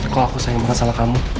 kalau aku sayangkan salah kamu